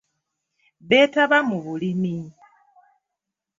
Beetaba mu bulimi.